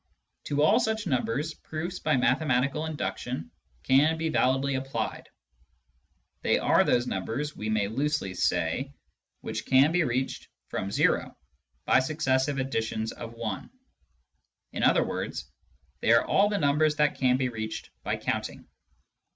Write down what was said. To all such numbers, proofs by mathematical induction can be validly applied. They are those numbers, we may loosely say, which can be reached from o by successive additions of i ; in other words, they are all the numbers that can be reached by counting.